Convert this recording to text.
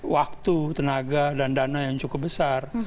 waktu tenaga dan dana yang cukup besar